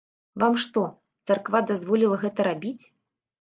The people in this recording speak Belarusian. Вам што, царква дазволіла гэта рабіць?